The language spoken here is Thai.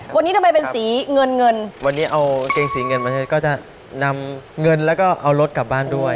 วันนี้ทำไมเป็นสีเงินเงินวันนี้เอากางเกงสีเงินมาให้ก็จะนำเงินแล้วก็เอารถกลับบ้านด้วย